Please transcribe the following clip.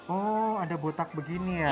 oh ada botak begini ya